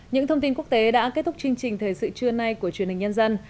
những thông tin quốc tế đã kết thúc chương trình thời sự trưa nay của truyền hình nhân dân